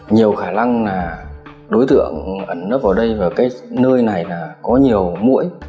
nhiều khả năng là đối tượng ẩn nấp vào đây và cái nơi này là có nhiều mũi